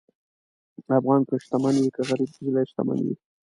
افغان که شتمن وي که غریب، زړه یې شتمن وي.